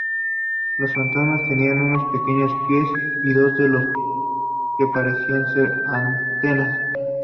Los fantasmas tenían unos pequeños pies y dos de lo que parecían ser antenas.